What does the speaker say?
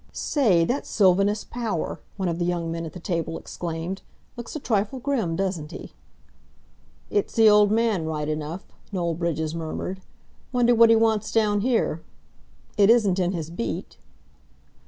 "Say, that's Sylvanus Power!" one of the young men at the table exclaimed. "Looks a trifle grim, doesn't he?" "It's the old man, right enough," Noel Bridges murmured. "Wonder what he wants down here? It isn't in his beat?"